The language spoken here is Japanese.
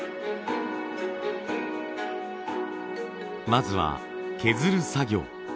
まずは削る作業。